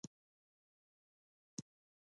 پاچا په لوګر ولايت له کانونو څخه ليدنه وکړه.